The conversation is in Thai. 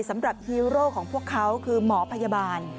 ฮีโร่ของพวกเขาคือหมอพยาบาล